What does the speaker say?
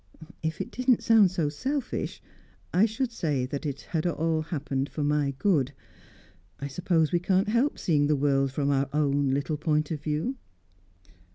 "If it didn't sound so selfish, I should say it had all happened for my good. I suppose we can't help seeing the world from our own little point of view."